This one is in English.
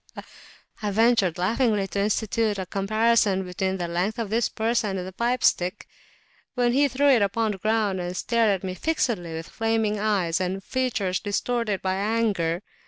I ventured laughingly to institute a comparison between the length of his person and the pipe stick, when he threw it upon the ground, and stared at me fixedly with flaming eyes and features distorted by anger.